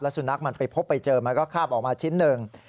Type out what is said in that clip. สุนัขมันไปพบไปเจอมันก็คาบออกมาชิ้นหนึ่ง